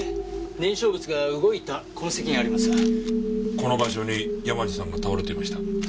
この場所に山路さんが倒れていました。